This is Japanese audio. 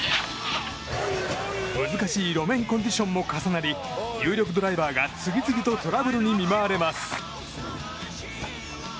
難しい路面コンディションも重なり有力ドライバーが次々とトラブルに見舞われます。